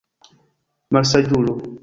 Malsaĝulo!